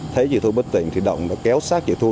thấy chị thu bất tỉnh thì động đã kéo sát chị thu